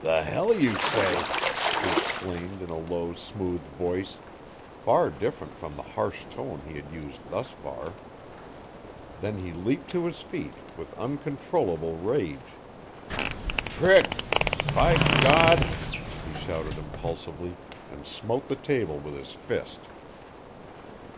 "The hell you say!" he exclaimed in a low, smooth voice, far different from the harsh tone he had used thus far. Then he leaped to his feet, with uncontrollable rage. "Tricked by God!" he shouted impulsively, and smote the table with his fist.